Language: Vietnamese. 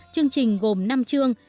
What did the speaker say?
chương trình gồm năm chương